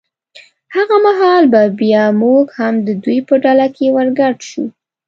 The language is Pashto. هغه مهال به بیا موږ هم د دوی په ډله کې ور ګډ شو.